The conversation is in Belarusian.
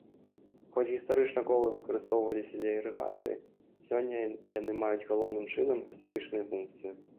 Хоць гістарычна колы выкарыстоўваліся для ірыгацыі, сёння яны маюць, галоўным чынам, эстэтычныя функцыі.